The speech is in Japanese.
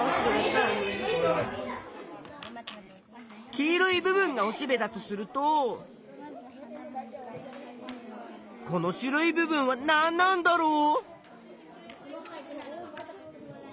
黄色い部分がおしべだとするとこの白い部分はなんなんだろう？